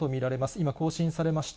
今、更新されました。